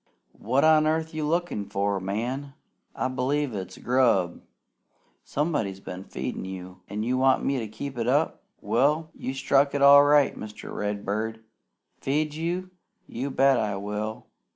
"What on earth are you lookin' for? Man! I b'lieve it's grub! Somebody's been feedin' you! An' you want me to keep it up? Well, you struck it all right, Mr. Redbird. Feed you? You bet I will!